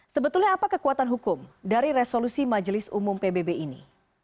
sebetulnya apa kekuatan hukum dari resolusi majelis umum pbb ini